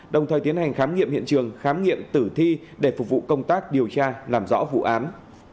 đồng thời tiến hành khám nghiệm hiện trường khám nghiệm tử thi để phục vụ công tác điều tra làm rõ vụ án